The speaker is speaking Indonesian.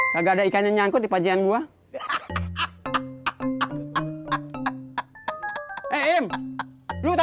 tunggu itu mie